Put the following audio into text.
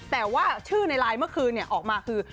แต่ว่าชื่อในไลน์เมื่อคืนออกมาคือ